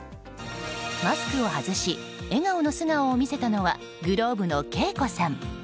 マスクを外し笑顔の素顔を見せたのはｇｌｏｂｅのＫＥＩＫＯさん。